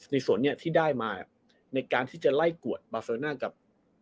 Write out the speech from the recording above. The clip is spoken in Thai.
ส่วนนี้ที่ได้มาในการที่จะไล่กวดบาเซอร์น่ากับ